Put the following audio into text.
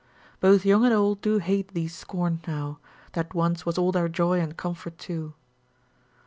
Both young and old do hate thee scorned now, That once was all their joy and comfort too.